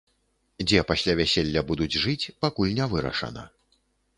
Дзе пасля вяселля будуць жыць, пакуль не вырашана.